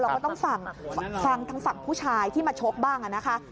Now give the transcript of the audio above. ก็ต้องฟังทางฝั่งผู้ชายที่มาชกบ้างนะคะ